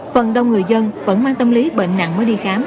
phần đông người dân vẫn mang tâm lý bệnh nặng mới đi khám